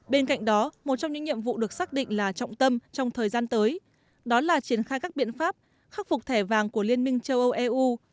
bên cạnh đó một trong những nhiệm vụ được xác định là trọng tâm trong thời gian tới đó là triển khai các biện pháp khắc phục thẻ vàng của liên minh châu âu eu